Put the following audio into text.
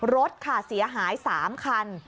รถค่ะเสียหาย๓คัน